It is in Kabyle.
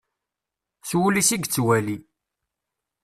S wul-is i yettwali.